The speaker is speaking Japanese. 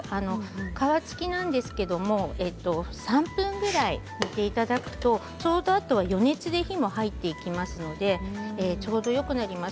皮付きなんですけれども３分ぐらい煮ていただくとちょうどあとは余熱で火も入っていきますしちょうどよくなります。